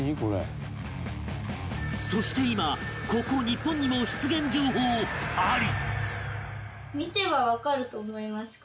そして今ここ日本にも出現情報あり